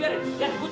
eh tukar dikuat